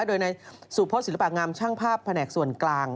โดยในสุพศศิลปะงามช่างภาพแผนกส่วนกลาง